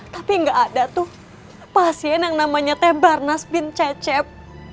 tapi gak ada tuh pasien yang namanya teh barnas bin cecep